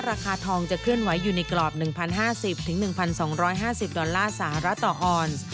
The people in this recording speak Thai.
ราคาทองจะเคลื่อนไหวอยู่ในกรอบ๑๐๕๐๑๒๕๐ดอลลาร์สหรัฐต่อออน